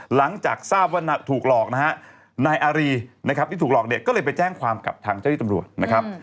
หลังจากทราบว่าถูกหลอกนะฮะนายอารีนะครับที่ถูกหลอกเนี่ยก็เลยไปแจ้งความกับทางเจ้าที่ตำรวจนะครับ